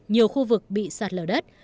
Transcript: nhiều khu vực bị sạt lở đất